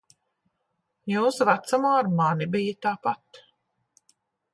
Jūsu vecumā ar mani bija tāpat.